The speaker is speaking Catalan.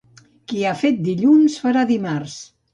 Qui ha fet dilluns, farà dimarts.